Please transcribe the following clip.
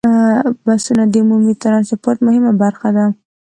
بسونه د عمومي ټرانسپورت مهمه برخه ده.